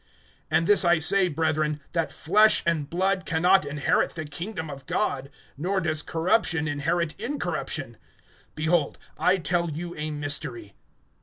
(50)And this I say, brethren, that flesh and blood can not inherit the kingdom of God; nor does corruption inherit incorruption. (51)Behold, I tell you a mystery.